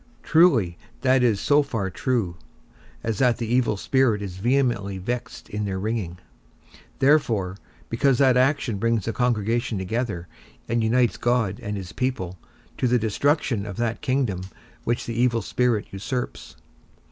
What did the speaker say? Truly, that is so far true, as that the evil spirit is vehemently vexed in their ringing, therefore, because that action brings the congregation together, and unites God and his people, to the destruction of that kingdom which the evil spirit usurps.